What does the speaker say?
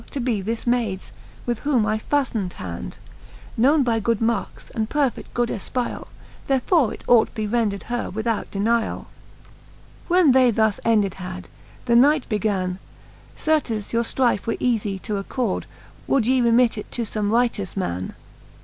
To be this maides, with whom I faftned hand, Known by good markes, and perfe6: good efpeciall, Therefore it ought be rendred her without deniall. XVL When they thus ended had, the knight began j Certes your ftrife were eafie to accord, Would ye remit it to fome righteous man.